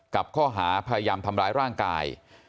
กับข้อหาพยายามทำร้ายร่างกาย